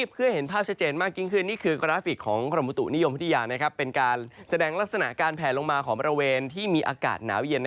เพื่อเห็นภาพชัดเจนมากยิ่งขึ้นนี่คือกราฟิกของกรมบุตุนิยมพัทยาเป็นการแสดงลักษณะการแผลลงมาของบริเวณที่มีอากาศหนาวเย็น